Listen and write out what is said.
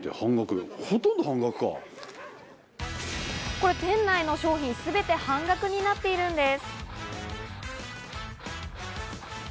これ、店内の商品すべて半額になっているんです。